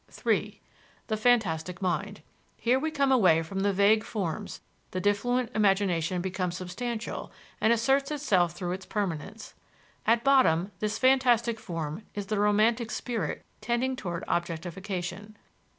(3) The fantastic mind. Here we come away from the vague forms; the diffluent imagination becomes substantial and asserts itself through its permanence. At bottom this fantastic form is the romantic spirit tending toward objectification.